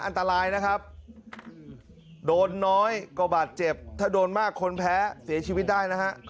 อันตรายนะครับโดนน้อยก็บาดเจ็บถ้าโดนมากคนแพ้เสียชีวิตได้นะฮะ